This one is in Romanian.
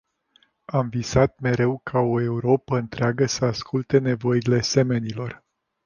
Am visat mereu ca o Europă întreagă să asculte nevoile semenilor.